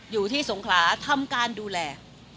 อยู่ที่สงขาทำการดูแล